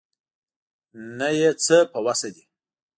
نه یې څه په وسه دي.